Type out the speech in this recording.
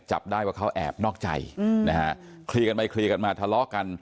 จับได้ว่าเขาแอบนอกใจนะฮะเคลียร์กันไปเคลียร์กันมาทะเลาะกัน